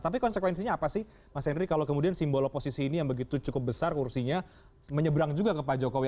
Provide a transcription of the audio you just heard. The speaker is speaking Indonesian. tapi konsekuensinya apa sih mas henry kalau kemudian simbol oposisi ini yang begitu cukup besar kursinya menyeberang juga ke pak jokowi